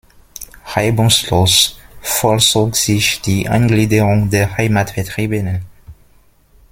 Reibungslos vollzog sich die Eingliederung der Heimatvertriebenen.